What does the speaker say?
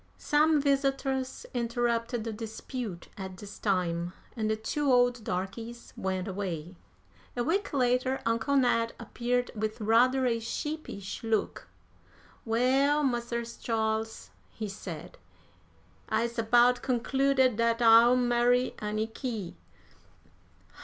Some visitors interrupted the dispute at this time, and the two old darkies went away. A week later Uncle Ned appeared with rather a sheepish look. "Well, Mars' Charles," he said, "I's about concluded dat I'll marry Anniky."